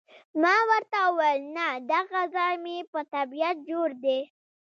ما ورته وویل، نه، دغه ځای مې په طبیعت جوړ دی.